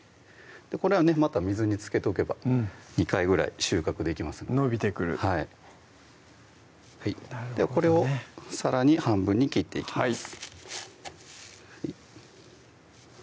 これはねまた水につけとけば２回ぐらい収穫できますので伸びてくるはいこれをさらに半分に切っていきます